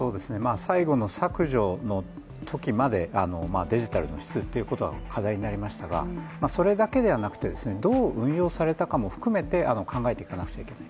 最後の削除のときまでデジタルの質が課題になりましたがそれだけではなく、どう運用されたかも含めて考えていかなくちゃと。